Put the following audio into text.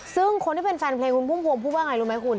ซึ่งคนที่เป็นแฟนเพลงคุณพุ่มพวงพูดว่าไงรู้ไหมคุณ